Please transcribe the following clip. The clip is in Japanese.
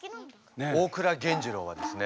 大倉源次郎はですね